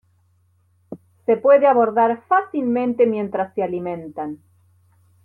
Se puede abordar fácilmente mientras se alimentan.